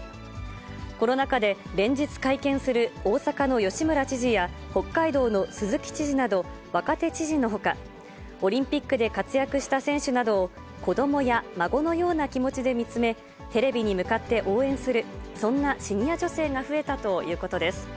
コロナ禍で連日会見する大阪の吉村知事や、北海道の鈴木知事など、若手知事のほか、オリンピックで活躍した選手などを子どもや孫のような気持ちで見つめ、テレビに向かって応援する、そんなシニア女性が増えたということです。